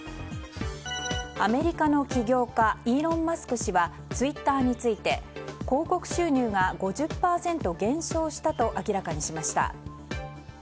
アメリカの企業家イーロン・マスク氏はツイッターについて広告収入が５０％減少したと明らかにしました。